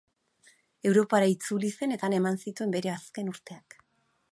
Europara itzuli zen, eta han eman zituen bere azken urteak.